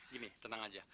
gini tenang aja